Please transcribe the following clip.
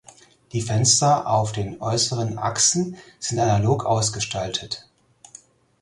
Die Fenster auf den äußeren Achsen sind analog ausgestaltet.